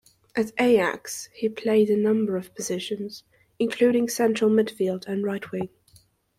At Ajax he played a number of positions, including central midfield and right wing.